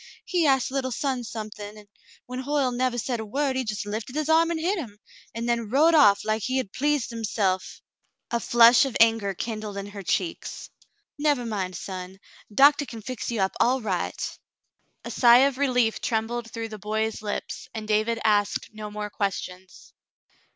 He asked little son something, and when Hoyle nevah said a word, he just lifted his arm and hit him, and then rode off like he had pleased him Cassandra's Promise 49 self." A flush of anger kindled in her cheeks. "Nevah mind, son. Doctah can fix you up all right." A sigh of relief trembled through the boy's lips, and David asked no more questions.